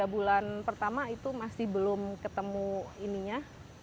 tiga bulan pertama itu masih belum ketemu ininya